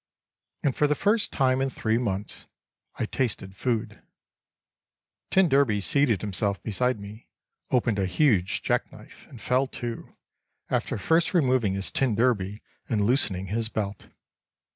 And for the first time in three months I tasted Food. T d seated himself beside me, opened a huge jack knife, and fell to, after first removing his tin derby and loosening his belt.